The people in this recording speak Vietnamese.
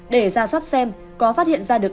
để ra soát xem có phát hiện ra được